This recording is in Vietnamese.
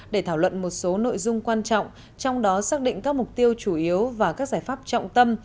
để thảo luận một số nội dung quan trọng trong đó xác định các mục tiêu chủ yếu và các giải pháp trọng tâm